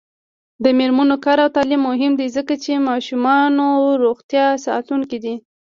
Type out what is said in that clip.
د میرمنو کار او تعلیم مهم دی ځکه چې ماشومانو روغتیا ساتونکی دی.